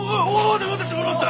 では私も乗った！